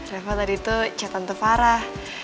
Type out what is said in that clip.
reva tadi tuh chat tante farah